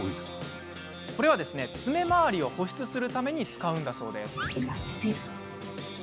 これは爪周りを保湿するために使うんだそうです。